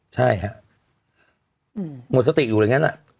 ใช่ฮะหมดสติอยู่หรือยังงั้นอ่ะ